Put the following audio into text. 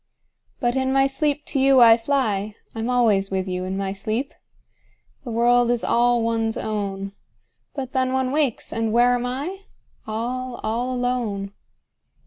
5 But in my sleep to you I fly: I'm always with you in my sleep! The world is all one's own. But then one wakes, and where am I? All, all alone.